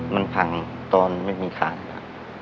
มันพังตอนไม่มีขาดอ่ะ